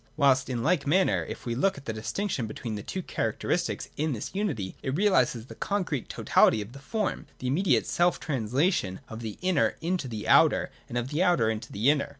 Whilst in like manner, if we look at the distinction between the two characteristics in this unity, it realises the concrete totality of the form, the immediate selftranslation of inner into outer, and of outer into inner.